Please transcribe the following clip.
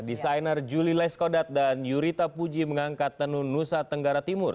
desainer julie leskodat dan yurita puji mengangkat tenun nusa tenggara timur